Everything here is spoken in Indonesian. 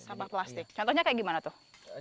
sampah plastik contohnya kayak gimana tuh